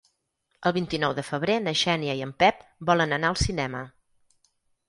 El vint-i-nou de febrer na Xènia i en Pep volen anar al cinema.